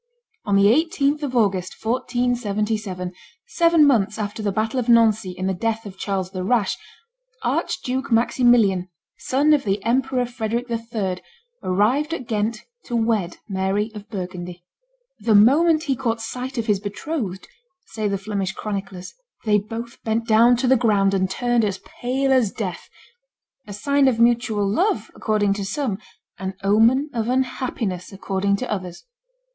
On the 18th of August, 1477, seven months after the battle of Nancy and the death of Charles the Rash, Arch duke Maximilian, son of the Emperor Frederick III., arrived at Ghent to wed Mary of Burgundy. "The moment he caught sight of his betrothed," say the Flemish chroniclers, "they both bent down to the ground and turned as pale as death a sign of mutual love according to some, an omen of unhappiness according to others."